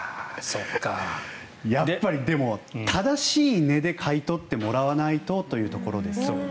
やっぱり正しい値で買い取ってもらわないとというところですよね。